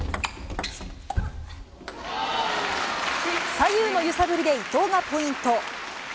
左右の揺さぶりで伊藤がポイント。